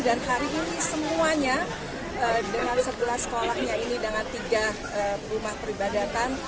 dan hari ini semuanya dengan sebelas sekolahnya ini dengan tiga rumah peribadatan